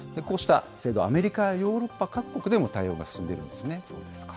こうした制度、アメリカやヨーロッパ各国でも対応が進んでいるんですね。